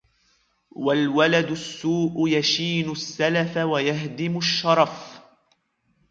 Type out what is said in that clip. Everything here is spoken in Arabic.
وَالْوَلَدُ السُّوءُ يَشِينُ السَّلَفَ وَيَهْدِمُ الشَّرَفَ